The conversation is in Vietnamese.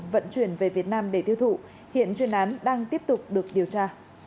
vận chuyển về việt nam để tiêu thụ hiện chuyên án đang tiếp tục được điều tra